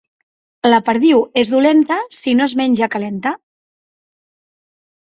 La perdiu és dolenta si no es menja calenta.